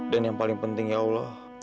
dan yang paling penting ya allah